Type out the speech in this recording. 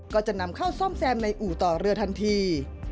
ก็จะนำเข้าซ่อมแซมในอู่ต่อเรือทันที